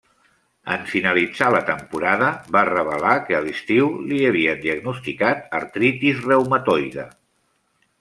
En finalitzar la temporada va revelar que a l'estiu li havien diagnosticat artritis reumatoide.